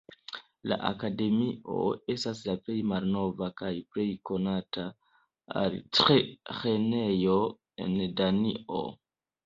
La akademio estas la plej malnova kaj plej konata altlernejo en Danio.